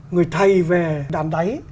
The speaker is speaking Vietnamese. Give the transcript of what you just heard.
người thầy về đàn đáy